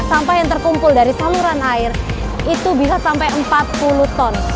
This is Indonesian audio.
sampah yang terkumpul dari saluran air itu bisa sampai empat puluh ton